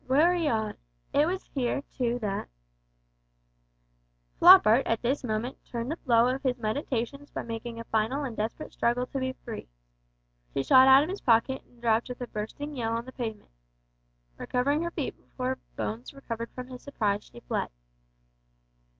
Wery odd! It was here, too, that " Floppart at this moment turned the flow of his meditations by making a final and desperate struggle to be free. She shot out of his pocket and dropped with a bursting yell on the pavement. Recovering her feet before Bones recovered from his surprise she fled.